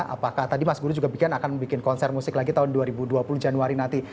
apakah tadi mas guru juga bikin akan bikin konser musik lagi tahun dua ribu dua puluh januari nanti